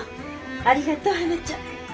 ありがとうはなちゃん。